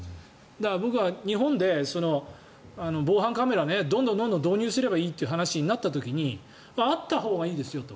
僕は日本で防犯カメラどんどん導入すればいいとなった時にあったほうがいいですよと。